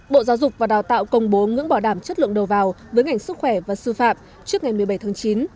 bộ giáo dục và đào tạo công bố ngưỡng bảo đảm chất lượng đầu vào với ngành sức khỏe và sư phạm trước ngày một mươi bảy tháng chín